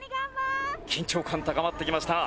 緊張感高まってきました。